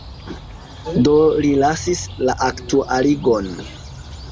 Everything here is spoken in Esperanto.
Do ni lasis la aktualigon.